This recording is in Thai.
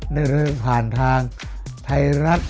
ได้เริ่มผ่านทางไทยรัฐ